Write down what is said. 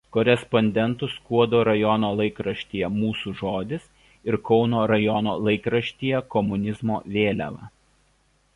Korespondentu Skuodo rajono laikraštyje "Mūsų žodis" ir Kauno rajono laikraštyje "Komunizmo vėliava".